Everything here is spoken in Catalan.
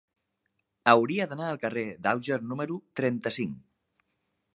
Hauria d'anar al carrer d'Auger número trenta-cinc.